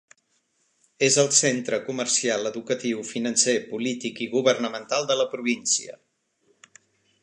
És el centre comercial, educatiu, financer, polític i governamental de la província.